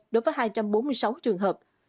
đối với hai trăm bốn mươi sáu trường hợp